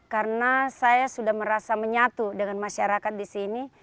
karena saya sudah merasa menyatu dengan masyarakat di sini